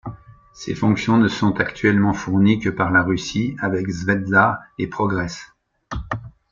Ces fonctions ne sont actuellement fournies que par la Russie, avec Zvezda et Progress.